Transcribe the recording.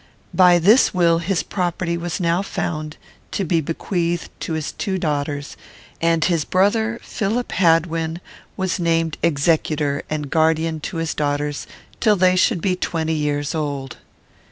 By this will his property was now found to be bequeathed to his two daughters; and his brother, Philip Hadwin, was named executor, and guardian to his daughters till they should be twenty years old.